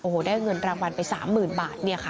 โอ้โหได้เงินรางวัลไป๓หมื่นบาทเนี่ยค่ะ